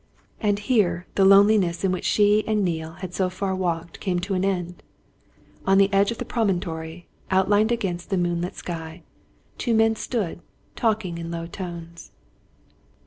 And here the loneliness in which she and Neale had so far walked came to an end on the edge of the promontory, outlined against the moonlit sky, two men stood, talking in low tones.